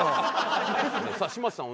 さあ嶋佐さん